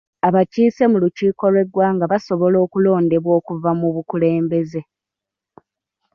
Abakiise mu lukiiko lw'eggwanga basobola okulondebwa okuva mu bukulembeze.